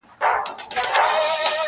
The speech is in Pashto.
خیر لږ دي وي حلال دي وي پلارجانه.